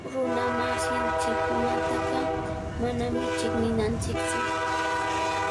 Runamasinchikkunataqa manami chiqninanchiktsu.